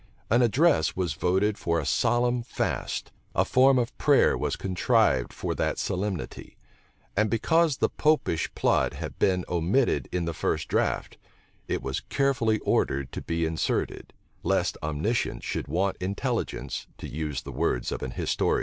An address was voted for a solemn fast: a form of prayer was contrived for that solemnity; and because the Popish plot had been omitted in the first draught, it was carefully ordered to be inserted; lest omniscience should want intelligence, to use the words of an historian.